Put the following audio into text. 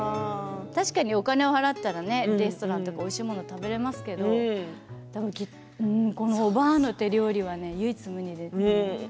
確かにお金を払ったらレストランとかおいしいものが食べられますけどこのおばあの手料理は唯一無二です。